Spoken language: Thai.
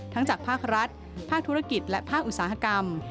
จากภาครัฐภาคธุรกิจและภาคอุตสาหกรรม